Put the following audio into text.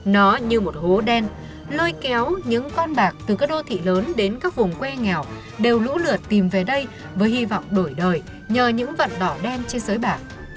nó như một hố đen lôi kéo những con bạc từ các đô thị lớn đến các vùng quê nghèo đều lũ lượt tìm về đây với hy vọng đổi đời nhờ những vật đỏ đen trên giới bạc